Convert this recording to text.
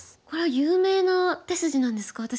これは有名な手筋なんですか？